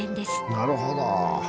なるほど。